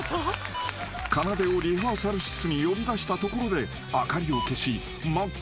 ［かなでをリハーサル室に呼び出したところで明かりを消し真っ